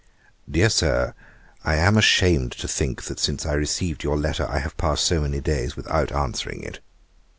] 'DEAR SIR, 'I am ashamed to think that since I received your letter I have passed so many days without answering it.